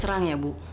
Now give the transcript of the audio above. serang ya bu